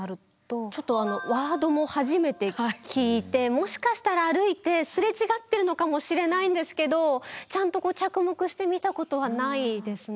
ちょっとあのワードも初めて聞いてもしかしたら歩いて擦れ違ってるのかもしれないんですけどちゃんと着目して見たことはないですね。